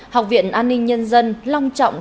học viện an ninh nhân dân long trọng